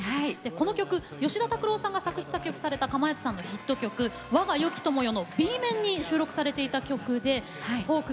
この曲、吉田拓郎さんが作詞・作曲されたかまやつさんのヒット曲「我が良き友よ」のＢ面に収録されてる曲でしてフォーク